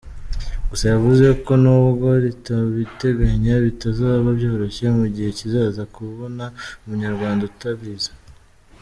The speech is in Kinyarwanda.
Gusa yavuze ko n’ubwo ritabiteganya bitazaba byoroshye mu gihe kizaza kubona Umunyarwanda utarize.